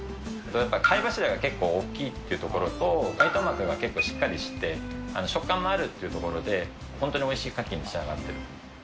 やっぱり貝柱が結構大きいっていうところと、がいとう膜が結構しっかりして、食感があるというところで、本当においしいカキに仕上がってる。